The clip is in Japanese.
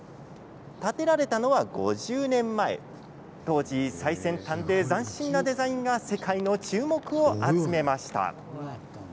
建てられたのは５０年前当時最先端で斬新なデザインが世界の注目を集めました。